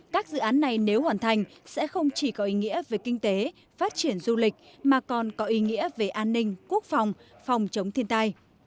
các dự án này nếu hoàn thành sẽ không chỉ có ý nghĩa về kinh tế phát triển du lịch mà còn có ý nghĩa về an ninh quốc phòng phòng chống thiên tai